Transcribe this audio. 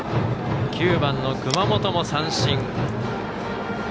９番の熊本も三振。